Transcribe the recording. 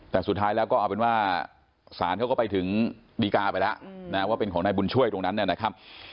แต่สุดท้ายแล้วก็เอาเป็นว่าศาลเขาก็ไปถึงดีกาไปแล้วนะว่าเป็นของนายบุญช่วยตรงนั้นนะครับ